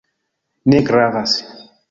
Ne gravas.